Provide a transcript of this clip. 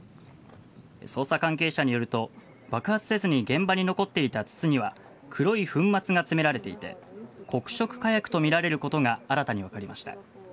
捜査関係者によると爆発せずに現場に残っていた筒には黒い粉末が詰められていて黒色火薬とみられることが新たに分かりました。